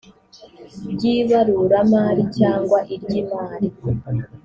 ry ibaruramari cyangwa iry imari